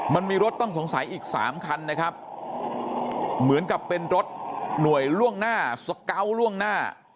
มันมีรถต้องสงสัยอีกสามคันนะครับเหมือนกับเป็นรถหน่วยล่วงหน้าสเกาะล่วงหน้า